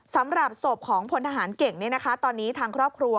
สำหรับศพของพลทหารเก่งตอนนี้ทางครอบครัว